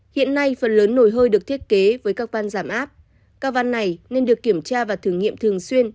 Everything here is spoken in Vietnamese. hiện nay phần lớn nồi hơi được thiết kế với các van giảm áp ca van này nên được kiểm tra và thử nghiệm thường xuyên